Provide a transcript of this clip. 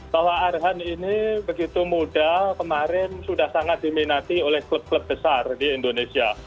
bahwa arhan ini begitu muda kemarin sudah sangat diminati oleh klub klub besar di indonesia